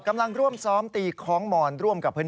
กำลังร่วมซ้อมตีคล้องมอนร่วมกับเพื่อน